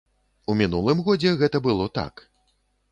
У мінулым годзе гэта было так.